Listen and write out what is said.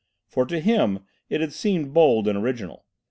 For to him it had seemed bold and original.